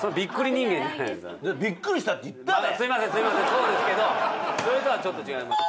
すいませんそうですけどそれとはちょっと違います。